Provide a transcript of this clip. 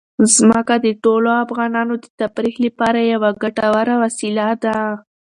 ځمکه د ټولو افغانانو د تفریح لپاره یوه ګټوره وسیله ده.